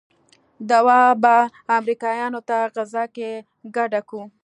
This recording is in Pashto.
دوا به امريکايانو ته غذا کې ګډه کو.